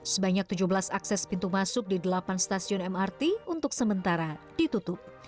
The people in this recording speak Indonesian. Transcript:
sebanyak tujuh belas akses pintu masuk di delapan stasiun mrt untuk sementara ditutup